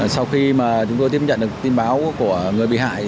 sau khi mà chúng tôi tiếp nhận được tin báo của người bị hại